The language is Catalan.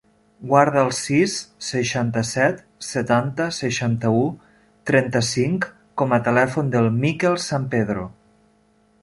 Guarda el sis, seixanta-set, setanta, seixanta-u, trenta-cinc com a telèfon del Mikel San Pedro.